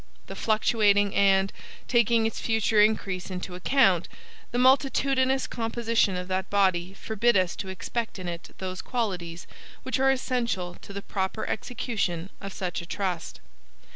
The fluctuating and, taking its future increase into the account, the multitudinous composition of that body, forbid us to expect in it those qualities which are essential to the proper execution of such a trust.